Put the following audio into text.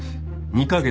２カ月！？